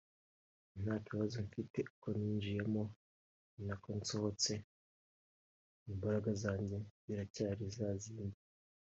Njye nta kibazo mfite uko ninjiyemo ni ko nsohotse imbaraga zanjye ziracyari za zindi